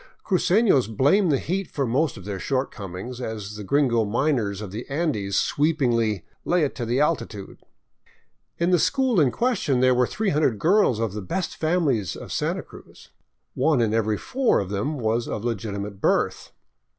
Crucenos blame the heat for most of their shortcomings, as the gringo miners of the Andes sweepingly " lay it to the altitude." In the school in question there were 300 girls of the " best families " of Santa Cruz. One in every four of them was of legitimate birth.